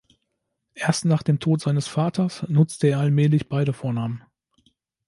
Erst nach dem Tod seines Vaters nutzte er allmählich beide Vornamen.